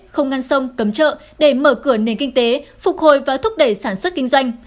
không ngăn sông cấm chợ để mở cửa nền kinh tế phục hồi và thúc đẩy sản xuất kinh doanh